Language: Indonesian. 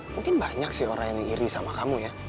mungkin banyak sih orang yang iri sama kamu ya